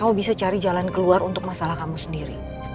kamu bisa cari jalan keluar untuk masalah kamu sendiri